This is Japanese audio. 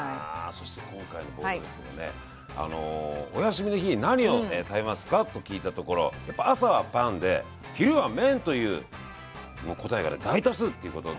そして今回のボードですけどもねお休みの日に何を食べますか？と聞いたところやっぱ朝はパンで昼は麺という答えがね大多数っていうことで。